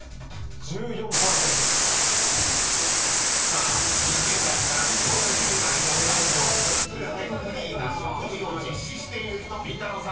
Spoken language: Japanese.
［さあ２０代から４０代の男女グルテンフリーな食事を実施している人りんたろー。